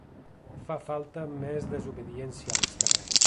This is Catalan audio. Fa falta més desobediència als carrers.